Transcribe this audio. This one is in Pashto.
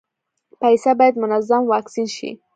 پسه باید منظم واکسین شي.